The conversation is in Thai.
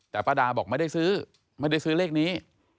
แต่ป้าดาบอกไม่ได้ซื้อไม่ได้ซื้อเลขนี้